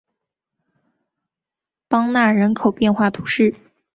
邦讷人口变化图示